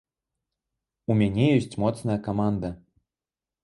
У мяне ёсць моцная каманда.